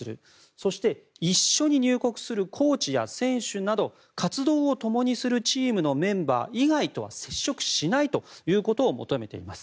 そして、一緒に入国するコーチや選手など活動をともにするチームのメンバー以外とは接触しないということを求めています。